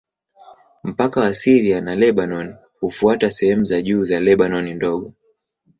Mpaka wa Syria na Lebanoni hufuata sehemu za juu za Lebanoni Ndogo.